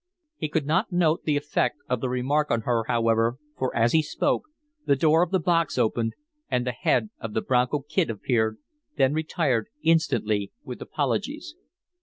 He could not note the effect of the remark on her, however, for, as he spoke, the door of the box opened and the head of the Bronco Kid appeared, then retired instantly with apologies.